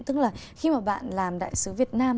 tức là khi mà bạn làm đại sứ việt nam